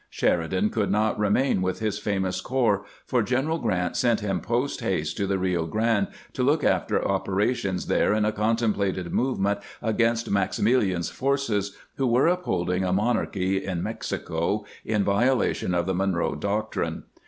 Sheridan could not remain with his famous corps, for General Grant sent him post haste to the Rio Grande to look after operations there in a contemplated movement against Maximilian's forces, who were up holding a monarchy in Mexico, in violation of the Monroe doctrine.